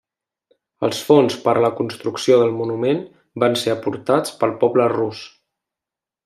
Els fons per a la construcció del monument van ser aportats pel poble rus.